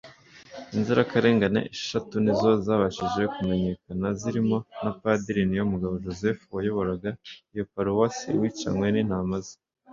Inzirakarengane esheshatu nizo zabashije kumenyekana zirimo na Padiri Niyomugabo Joseph wayoboraga iyo Paruwasi wicanywe n’intama ze